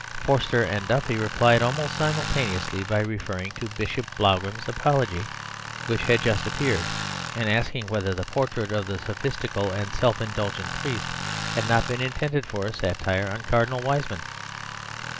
Forster and Duffy replied almost simultaneously, by referring to "Bishop Blougram's Apology," which had just appeared, and asking whether the portrait of the sophistical and self indulgent priest had not been intended for a satire on Cardinal Wiseman.